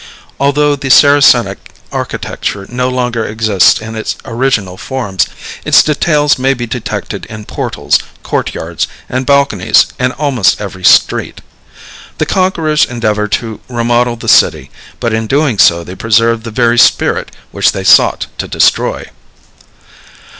Although the Saracenic architecture no longer exists in its original forms, its details may be detected in portals, court yards, and balconies, in almost every street. The conquerors endeavored to remodel the city, but in doing so they preserved the very spirit which they sought to destroy.